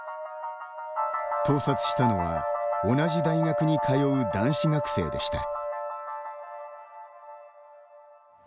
盗撮したのは同じ大学に通う男子学生でした。